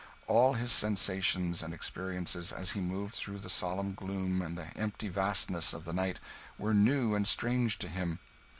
All his sensations and experiences, as he moved through the solemn gloom and the empty vastness of the night, were new and strange to him.